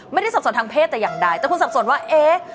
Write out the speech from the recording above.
สับสนทางเพศแต่อย่างใดแต่คุณสับสนว่าเอ๊ะ